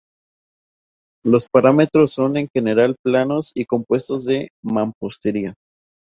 Los paramentos son en general planos y compuestos de mampostería.